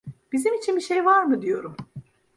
Bizim için bir şey var mı diyorum!